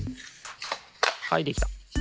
はいできた。